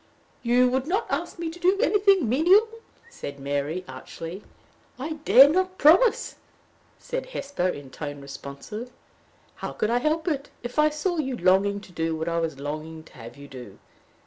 "You would not ask me to do anything menial?" said Mary, archly. "I dare not promise," said Hesper, in tone responsive. "How could I help it, if I saw you longing to do what I was longing to have you do?"